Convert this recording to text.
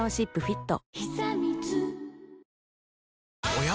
おや？